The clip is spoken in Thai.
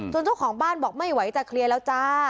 เจ้าของบ้านบอกไม่ไหวจะเคลียร์แล้วจ้า